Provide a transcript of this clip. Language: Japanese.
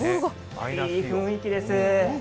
いい雰囲気です。